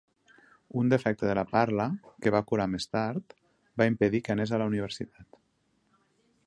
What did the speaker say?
Un defecte de la parla, que va curar més tard, va impedir que anés a la universitat.